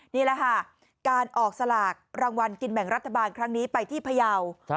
นี่แหละค่ะการออกสลากรางวัลกินแบ่งรัฐบาลครั้งนี้ไปที่พยาว